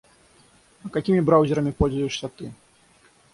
А какими браузерами пользуешься ты?